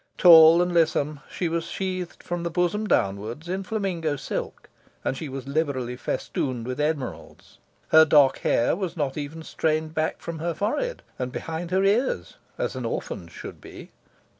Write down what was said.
Tall and lissom, she was sheathed from the bosom downwards in flamingo silk, and she was liberally festooned with emeralds. Her dark hair was not even strained back from her forehead and behind her ears, as an orphan's should be.